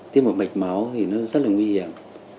tiêm một mạch máu thì nó rất là nguy hiểm